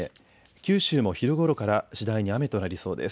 九州も昼ごろから次第に雨となりそうです。